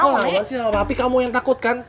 kamu ngomong apa sih sama papi kamu yang takut kan